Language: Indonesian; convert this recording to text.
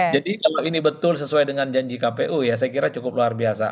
jadi kalau ini betul sesuai dengan janji kpu ya saya kira cukup luar biasa